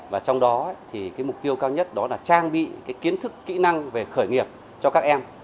và trong đó thì mục tiêu cao nhất đó là trang bị cái kiến thức kỹ năng về khởi nghiệp cho các em